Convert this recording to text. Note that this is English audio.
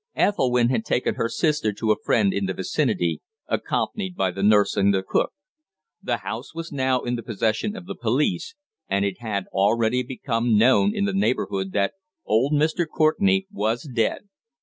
Ethelwynn had taken her sister to a friend in the vicinity, accompanied by the nurse and the cook. The house was now in the possession of the police, and it had already become known in the neighbourhood that old Mr. Courtenay was dead.